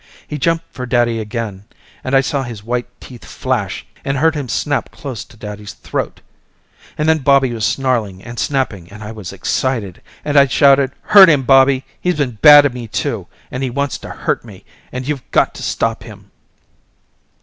He jumped for daddy again and I saw his white teeth flash and heard him snap close to daddy's throat and then Bobby was snarling and snapping and I was excited and I shouted hurt him, Bobby, he's been bad to me too and he wants to hurt me and you've got to stop him.